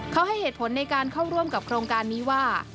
เขาให้เหตุผลในการเข้าร่วมกับโครงการนี้ว่า